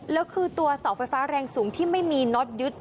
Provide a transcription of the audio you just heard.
แล้วคือตัวเสาไฟฟ้าแรงสูงที่ไม่มีน็อตยึด